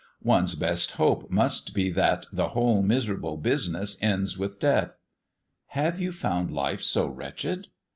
One's best hope must be that the whole miserable business ends with death." "Have you found life so wretched?"